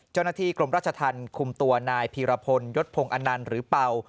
เจ้าหน้าที่กรมราชธรรมคุมตัวนายพีรพลยศพงศ์อนันต์หรือเป่า